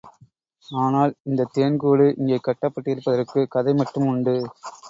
ஆனால் இந்தத் தேன் கூடு இங்கே கட்டப் பட்டிருப்பதற்குக் கதை மட்டும் உண்டு.